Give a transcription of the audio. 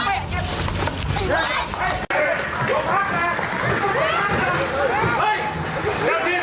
นี่นี่นี่นี่นี่นี่นี่